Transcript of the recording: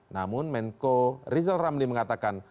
namun menko rizal ramli mengatakan